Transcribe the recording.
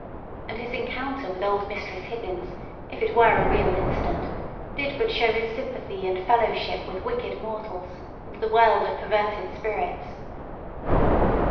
And his encounter with old Mistress Hibbins, if it were a real incident, did but show its sympathy and fellowship with wicked mortals, and the world of perverted spirits.